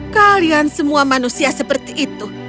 kalian semua manusia seperti itu